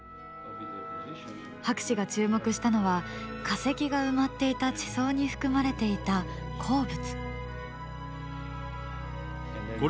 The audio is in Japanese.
博士が注目したのは化石が埋まっていた地層に含まれていた鉱物。